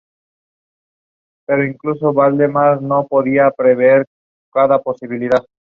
Habitualmente son niños con un marcado retraso psicomotor con microcefalia, alteraciones visuales y auditivas.